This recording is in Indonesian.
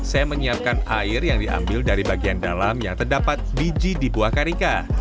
saya menyiapkan air yang diambil dari bagian dalam yang terdapat biji di buah karika